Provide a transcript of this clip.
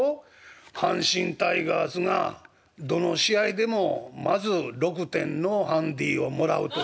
阪神タイガースがどの試合でもまず６点のハンディをもらうという」。